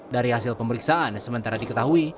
dari hasil pemeriksaan sementara diketahui